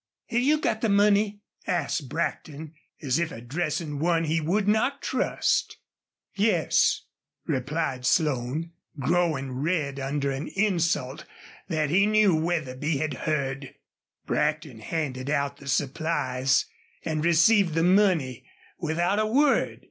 "Have you got the money?" asked Brackton, as if addressing one he would not trust. "Yes," replied Slone, growing red under an insult that he knew Wetherby had heard. Brackton handed out the supplies and received the money, without a word.